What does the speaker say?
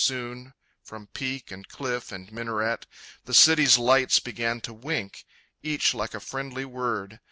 Soon From peak and cliff and minaret The city's lights began to wink, Each like a friendly word.